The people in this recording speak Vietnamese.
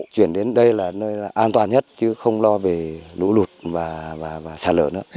chuyển đến đây là nơi an toàn nhất chứ không lo về lũ lụt và sạt lở nữa